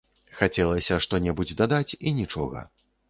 Хацелася што-небудзь дадаць і нічога.